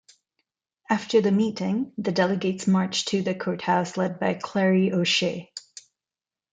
After the meeting the delegates marched to the courthouse led by Clarrie O'Shea.